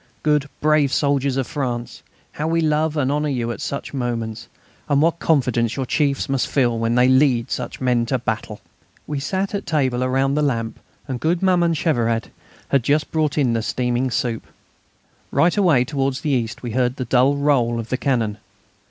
Good, brave soldiers of France, how we love and honour you at such moments, and what confidence your chiefs must feel when they lead such men to battle! We sat at table around the lamp, and good Maman Cheveret had just brought in the steaming soup. Right away towards the east we heard the dull roll of the cannon.